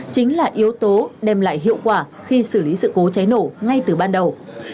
chính là yếu tố đem lại hiệu quả khi xử lý sự cố cháy nổ ngay từ ban đầu